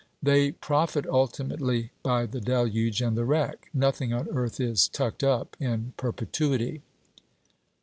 'They profit ultimately by the deluge and the wreck. Nothing on earth is "tucked up" in perpetuity.'